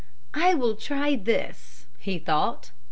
"I will try this," he thought.